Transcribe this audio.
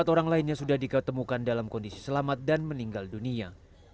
empat orang lainnya sudah diketemukan dalam kondisi selamat dan meninggal dunia